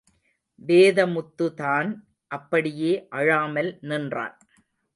வேதமுத்துதான், அப்படியே அழாமல் நின்றான்.